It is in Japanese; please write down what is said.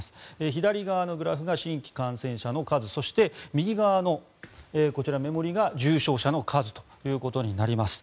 左側のグラフが新規感染者の数そして右側のこちらの目盛りが重症者の数となります。